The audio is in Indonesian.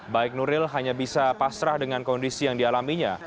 baik nuril hanya bisa pasrah dengan kondisi yang dialaminya